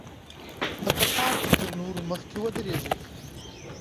په قطار کې تر نورو مخکې ودرېږي.